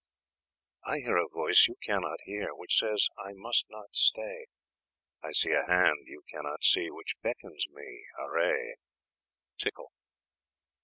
I hear a voice you cannot hear, Which says, I must not stay; I see a hand you cannot see, Which beckons me awry. Tickell.